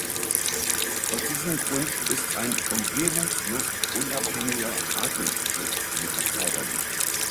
Aus diesem Grund ist ein umgebungsluftunabhängiger Atemschutz erforderlich.